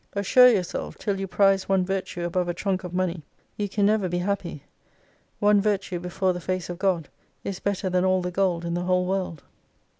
Assure yourself, till you prize one virtue above a trunk of money you can never be happy. One virtue before the face of God, is better than all the gold in the whole world.